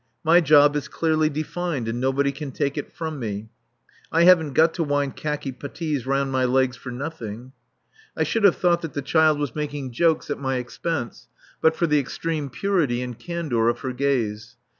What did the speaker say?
My job is clearly defined, and nobody can take it from me. I haven't got to wind khaki putties round my legs for nothing. I should have thought that the child was making jokes at my expense but for the extreme purity and candour of her gaze.